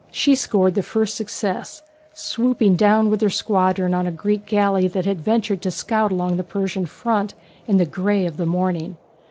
She scored the first success, swooping down with her squadron on a Greek galley that had ventured to scout along the Persian front in the grey of the morning.